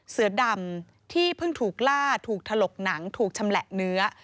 เสือดำที่เพิ่งถูกล่าถูกถลกหนังถูกชำแหละเนื้อ